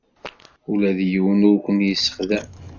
Ula d yiwen ur ken-yessexdam.